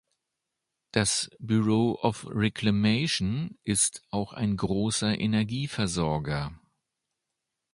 Das Bureau of Reclamation ist auch ein großer Energieversorger.